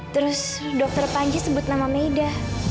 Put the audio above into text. terus dokter panji sebut nama maida